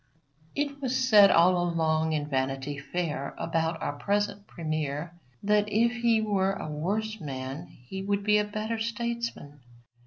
It was said long ago in Vanity Fair about our present Premier that if he were a worse man he would be a better statesman.